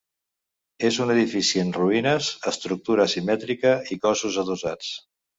És un edifici en ruïnes, estructura asimètrica i cossos adossats.